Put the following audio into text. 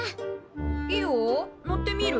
いいよ乗ってみる？